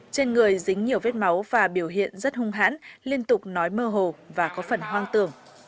trên người dính nhiều vết máu và biểu hiện rất hung hãn liên tục nói mơ hồ và có phần hoang tưởng